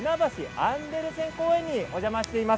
アンデルセン公園にお邪魔しています。